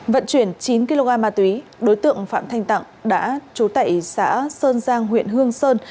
vận chuyển chín kg ma túy đối tượng phạm thanh tặng đã trú tại xã sơn giang huyện hương sơn